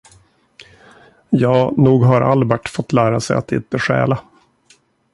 Ja, nog har Albert fått lära sig att inte stjäla.